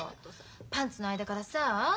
パンツの間からさ